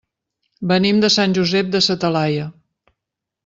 Venim de Sant Josep de sa Talaia.